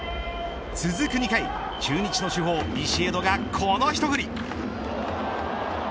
続く２回中日の主砲ビシエドがこの一振り。